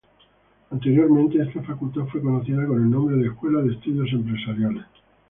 Anteriormente, esta facultad fue conocida con el nombre de Escuela de Estudios Empresariales.